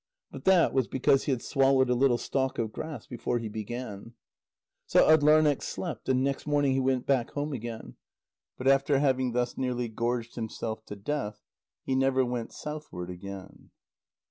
But that was because he had swallowed a little stalk of grass before he began. So Atdlarneq slept, and next morning he went back home again. But after having thus nearly gorged himself to death, he never went southward again.